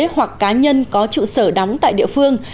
hoặc cá nhân có trụ sở đóng tại địa phương